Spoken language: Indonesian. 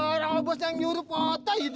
orang bosnya nyurup otot